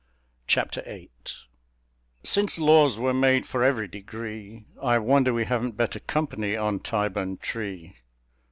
Chapter VIII Since laws were made for every degree, I wonder we haven't better company on Tyburn tree.